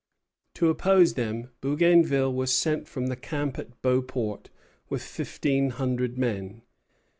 To oppose them, Bougainville was sent from the camp at Beauport with fifteen hundred men.